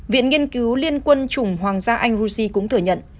viện nghiên cứu liên quân chủng hoàng gia anh russi cũng thừa nhận